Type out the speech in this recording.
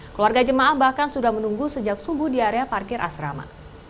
keluarga jemaah bahkan sudah menunggu sejak subuh di area parkir asrama